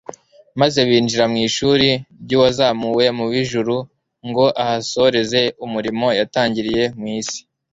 maze binjira mu ishuri ry'uwazamuwe mu ijuru ngo ahasoreze umurimo yatangiriye mu isi.